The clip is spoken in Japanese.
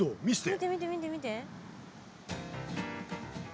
見て見て見て見て。